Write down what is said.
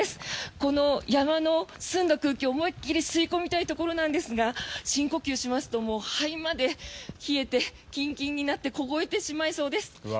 この山の澄んだ空気を思いっきり吸い込みたいところなんですが深呼吸をしますと肺まで冷えてキンキンになって凍えてしまいそうです。